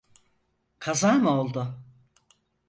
Kaza mı oldu?